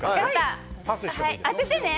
当ててね！